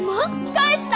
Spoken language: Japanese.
返した？